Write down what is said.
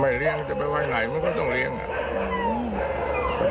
คือทางวัดจะเลี้ยงหมาแมวที่มีจำนวนเยอะอย่างนี้ถูกไหม